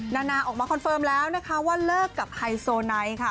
นานาออกมาคอนเฟิร์มแล้วนะคะว่าเลิกกับไฮโซไนท์ค่ะ